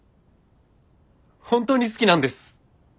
本当に好きなんです。